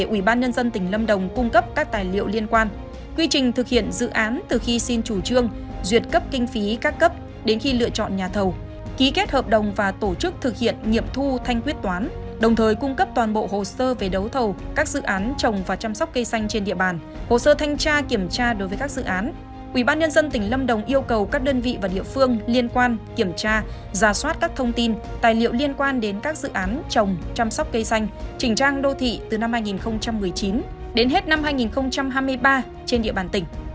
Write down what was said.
ủy ban nhân dân tỉnh lâm đồng yêu cầu các đơn vị và địa phương liên quan kiểm tra giả soát các thông tin tài liệu liên quan đến các dự án trồng chăm sóc cây xanh chỉnh trang đô thị từ năm hai nghìn một mươi chín đến hết năm hai nghìn hai mươi ba trên địa bàn tỉnh